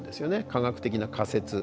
科学的な仮説。